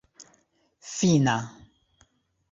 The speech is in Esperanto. finna